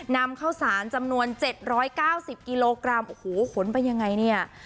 นำเข้าสารจำนวนเจ็ดร้อยเก้าสิบกิโลกรัมโอ้โหขนไปยังไงเนี่ย